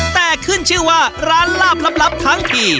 แต่ขึ้นชื่อว่าร้านลาบลับทั้งที